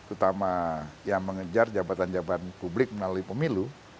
utama yang mengejar jabatan jabatan publik melalui pemilu